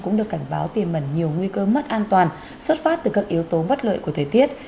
cũng được cảnh báo tiềm mẩn nhiều nguy cơ mất an toàn xuất phát từ các yếu tố bất lợi của thời tiết